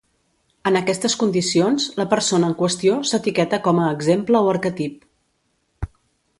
En aquestes condicions, la persona en qüestió s'etiqueta com a exemple o arquetip.